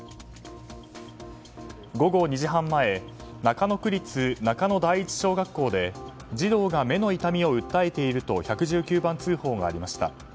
午後２時半前中野区立中野第一小学校で児童が目の痛みを訴えていると１１９番通報がありました。